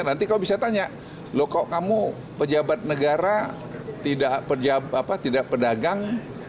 nanti kamu bisa tanya loh kok kamu pejabat negara tidak pedagang